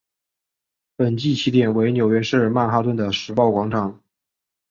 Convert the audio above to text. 本季起点为纽约市曼哈顿的时报广场。